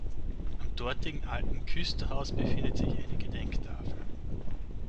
Am dortigen alten Küsterhaus befindet sich eine Gedenktafel.